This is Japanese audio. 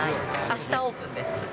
あしたオープンです。